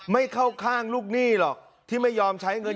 ไม่เข้าข้างลูกหนี้หรอกที่ไม่ยอมใช้เงิน